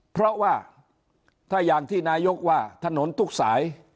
เพราะว่าถ้าอย่างที่นายกว่าถนนทุกสาย